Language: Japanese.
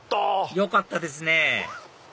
よかったですね